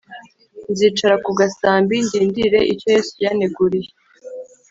nzicara kugasambi ndindire icyo yesu yaneguriye